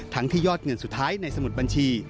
ที่ยอดเงินสุดท้ายในสมุดบัญชี